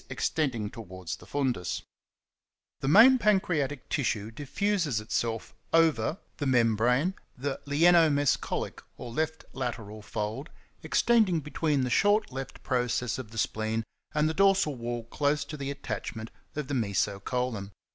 extending towards the fundus. The main pancreatic tissue diffuses itself over the mem 95 TASMAX1AX DEVIL. brane (the lieno mesocolic, or left lat. fold), extending between the short left process of the spleen and the dorsal wall close to the attachment of the meso colon.